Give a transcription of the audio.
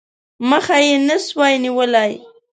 مخه یې نه سوای نیولای.